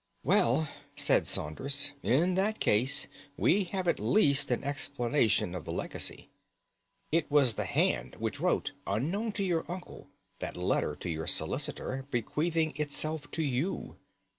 "Well," said Saunders, "in that case we have at least an explanation of the legacy. It was the hand which wrote unknown to your uncle that letter to your solicitor, bequeathing itself to you.